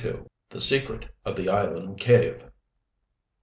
THE SECRET OF THE ISLAND CAVE.